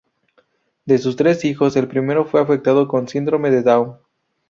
De sus tres hijos, el primero fue afectado con síndrome de Down.